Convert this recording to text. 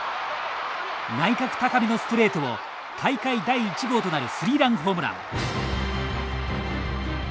内角高めのストレートを大会第１号となるスリーランホームラン。